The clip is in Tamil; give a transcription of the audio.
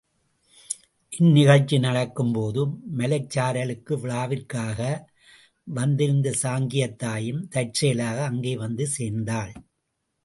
இந் நிகழ்ச்சி நடக்கும்போது மலைச் சாரலுக்கு விழாவிற்காக வந்திருந்த சாங்கியத் தாயும் தற்செயலாக அங்கே வந்து சேர்ந்தாள்.